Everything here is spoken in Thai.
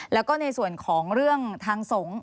แล้วก็ในส่วนของเรื่องทางสงฆ์